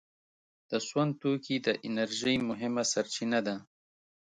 د سون توکي د انرژۍ مهمه سرچینه ده.